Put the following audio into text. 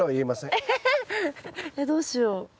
えっどうしよう。